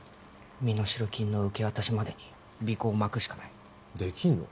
身代金の受け渡しまでに尾行をまくしかないできんの？